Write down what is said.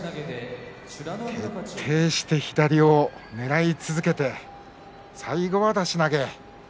徹底して左をねらい続けて最後は出し投げ。